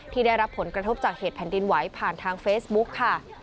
ได้รับผลกระทบจากเหตุแผ่นดินไหวผ่านทางเฟซบุ๊กค่ะ